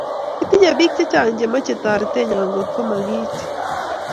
Kitinye biik chechang chemechee toretenyo kotgo magiiti